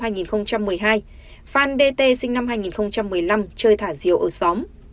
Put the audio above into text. phan dt sinh năm hai nghìn một mươi năm chơi thả diều ở xóm